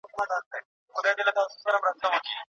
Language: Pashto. که مالي ادارې پياوړي وي د پور ورکولو اسانتياوي به زياتي سي.